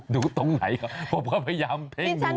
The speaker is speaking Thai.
ดูตรงไหนเพราะว่าพยายามเพ่งดู